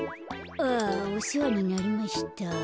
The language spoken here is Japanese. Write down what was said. あおせわになりました。